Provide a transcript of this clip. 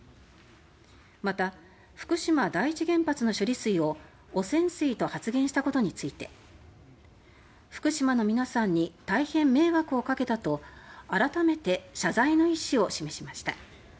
また、福島第一原発の処理水を汚染水と発言したことについて「福島の皆さんに大変迷惑をかけた」と改めて謝罪の意思を示しました。